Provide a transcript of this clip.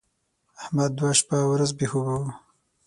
احمد دوه شپه او ورځ بې خوبه و.